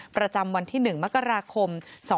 ประจำวันที่๑มกราคม๒๕๖